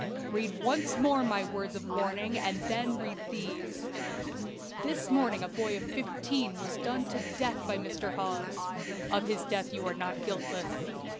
Read once more my words of warning, and then read these: "This morning a boy of fifteen was done to death by Mr. Hawes. Of his death you are not guiltless.